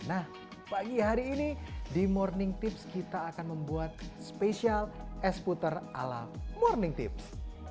nah pagi hari ini di morning tips kita akan membuat spesial es puter ala morning tips